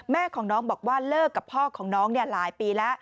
แม่ของน้องบอกว่าเลิกกับพ่อของน้องหลายปีแล้ว